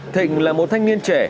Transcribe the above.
thịnh là một thanh niên trẻ